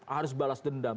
harus balas dendam